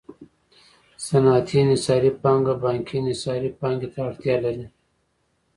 صنعتي انحصاري پانګه بانکي انحصاري پانګې ته اړتیا لري